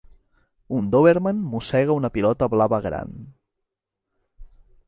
Un dòberman mossega una pilota blava gran.